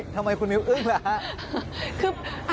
ทำไมคุณมิวอึ้งล่ะฮะ